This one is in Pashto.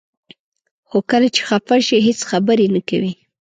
خو کله چې خفه شي هیڅ خبرې نه کوي.